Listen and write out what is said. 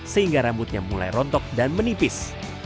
sehingga rambutnya mulai rontok dan menipis